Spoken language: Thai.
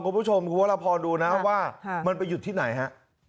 คุณผู้ชมคุณวรพรดูนะว่ามันไปหยุดที่ไหนฮะ